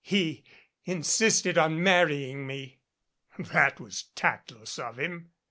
He insisted on marrying me." "That was tactless of him."